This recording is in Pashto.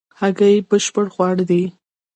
هګۍ بشپړ خواړه دي